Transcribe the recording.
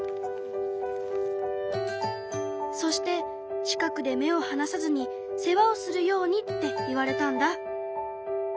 そして近くで目をはなさずに世話をするようにって言われたんだ。